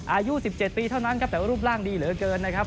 อายุ๑๗ปีเท่านั้นครับแต่ว่ารูปร่างดีเหลือเกินนะครับ